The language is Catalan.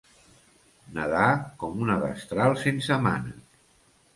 Nedar com una destral sense mànec.